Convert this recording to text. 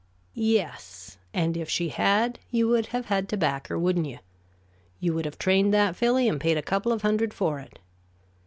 "Yes; and if she had, you would have had to back her, wouldn't you? You would have trained that filly and paid a couple of hundred for it.